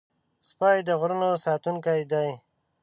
سپي د غرونو ساتونکي دي.